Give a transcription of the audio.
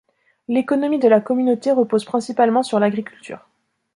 L'économie de la communauté repose principalement sur l'agriculture.